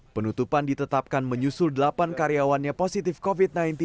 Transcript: penutupan ditetapkan menyusul delapan karyawannya positif covid sembilan belas